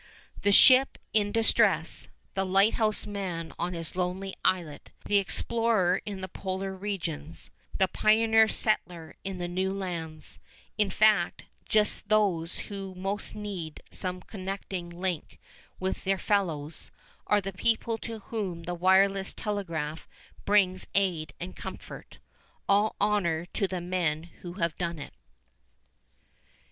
The ship in distress, the lighthouse man on his lonely islet, the explorer in the Polar regions, the pioneer settler in the new lands in fact, just those who most need some connecting link with their fellows are the people to whom the wireless telegraph brings aid and comfort. All honour to the men who have done it.